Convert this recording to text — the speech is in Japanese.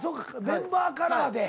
メンバーカラーで。